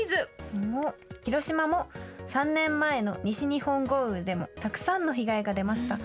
広島も３年前の西日本豪雨でもたくさんの被害が出ました。